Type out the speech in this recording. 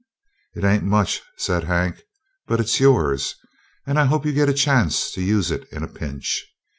"It ain't much," said Hank, "but it's yours, and I hope you get a chance to use it in a pinch."